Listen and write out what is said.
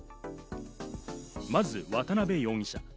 まず渡辺容疑者。